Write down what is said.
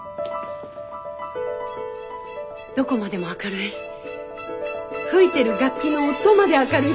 どこまでも明るい吹いてる楽器の音まで明るい